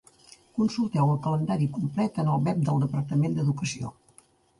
Consulteu el calendari complet en el web del Departament d'Educació.